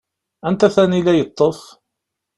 Anta tanila yeṭṭef?